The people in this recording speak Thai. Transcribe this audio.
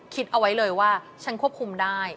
คิดเอาไว้เลยว่าฉันควบคุมได้